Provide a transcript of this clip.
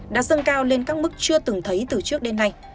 đã dâng cao lên các mức chưa từng thấy từ trước đến nay